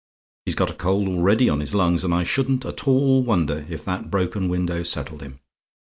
He's got a cold already on his lungs, and I shouldn't at all wonder if that broken window settled him.